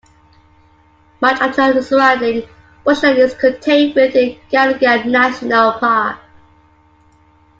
Much of the surrounding bushland is contained within Garigal National Park.